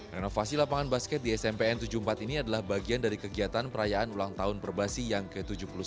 renovasi lapangan basket di smpn tujuh puluh empat ini adalah bagian dari kegiatan perayaan ulang tahun perbasi yang ke tujuh puluh satu